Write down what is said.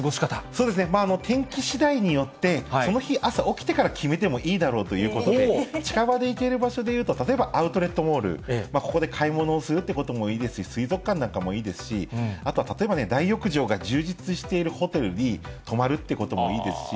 そうですね、天気しだいによって、その日、朝起きてから決めてもいいだろうということで、近場で行ける場所でいうと、例えばアウトレットモール、ここで買い物をするということもいいですし、水族館なんかもいいですし、あとは例えば大浴場が充実しているホテルに泊まるっていうこともいいですし。